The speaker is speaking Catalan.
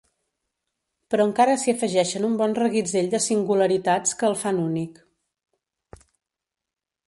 Però encara s’hi afegeixen un bon reguitzell de singularitats que el fan únic.